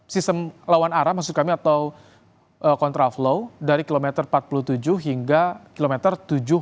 sistem lawan arah maksud kami atau kontraflow dari kilometer empat puluh tujuh hingga kilometer tujuh puluh tujuh